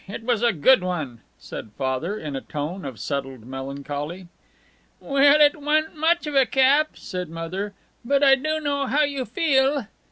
It was a good one," said Father, in a tone of settled melancholy. "Well, it wa'n't much of a cap," said Mother, "but I do know how you feel."